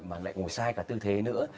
mà lại ngồi sai cả tư thế nữa